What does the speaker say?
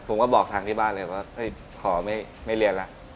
ผมก็บอกทางที่บ้านเลยว่าขอไม่เรียนแล้ว